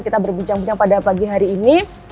kita berbincang bincang pada pagi hari ini